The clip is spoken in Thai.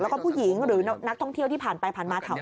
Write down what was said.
แล้วก็ผู้หญิงหรือนักท่องเที่ยวที่ผ่านไปผ่านมาแถว